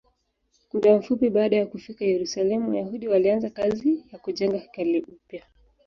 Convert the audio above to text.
Muda mfupi baada ya kufika Yerusalemu, Wayahudi walianza kazi ya kujenga hekalu upya.